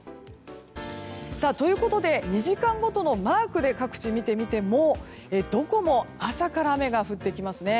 ということで２時間ごとのマークで各地を見てみてもどこも朝から雨が降ってきますね。